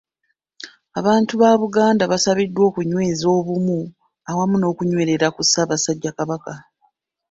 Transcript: Abantu ba Buganda basabiddwa okunyweza obumu awamu n’okunywerera ku Ssaabasajja Kabaka.